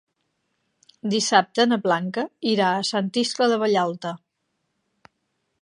Dissabte na Blanca irà a Sant Iscle de Vallalta.